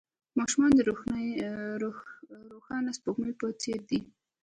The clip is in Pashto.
ماشومان د روښانه سپوږمۍ په څېر دي.